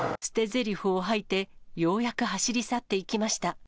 捨てぜりふを吐いて、ようやく走り去っていきました。